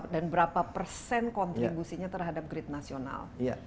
dan berapa persen kontribusinya terhadap grid nasional